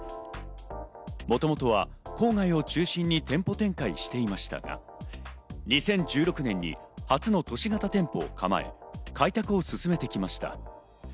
もともとは郊外を中心に店舗展開していましたが、２０１６年に初の都市型店舗を構え、開拓を進めてきました。